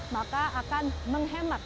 maka akan menghemblok